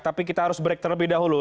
tapi kita harus break terlebih dahulu